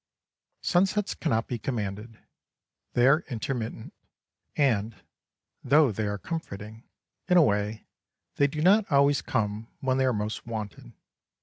Sunsets cannot be commanded; they are intermittent, and, though they are comforting in a way they do not always come when they are most wanted.